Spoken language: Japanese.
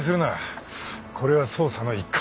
これは捜査の一環です。